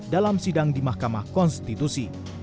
dalam sidang di mahkamah konstitusi